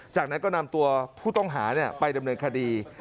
จากนั้นก็นำตัวผู้ต้องหาไปดำเนินคดี